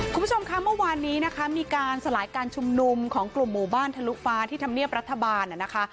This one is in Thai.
คุณผู้ชมคะเมื่อวานนี้นะคะมีการสลายการชุมนุมของกลุ่มหมู่บ้านทะลุฟ้าที่ธรรมเนียบรัฐบาลนะคะ